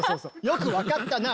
よく分かったな！